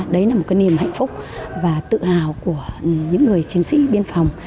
đấy là một cái niềm hạnh phúc và tự hào của những người chiến sĩ biên phòng